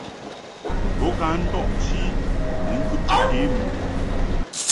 Bo ka ndɔʼ chi ni ŋkɨbti ke mɨ.